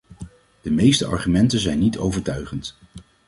De meeste argumenten zijn niet overtuigend.